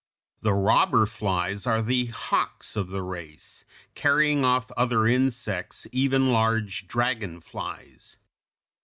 The robber flies are the hawks of the race, carrying off other insects, even large dragon flies.